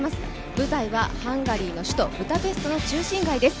舞台はハンガリーの首都ブダペストです。